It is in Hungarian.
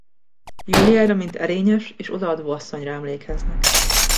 Iuliára mint erényes és odaadó asszonyra emlékeznek.